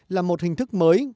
là một hình thức mới